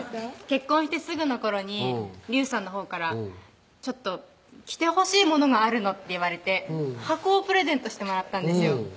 結婚してすぐの頃にリゥさんのほうから「ちょっと着てほしいものがあるの」って言われて箱をプレゼントしてもらったんですよ